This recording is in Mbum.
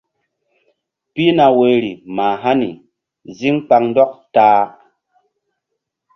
Pihna woyri mah hani zíŋ kpaŋndɔk ta-a.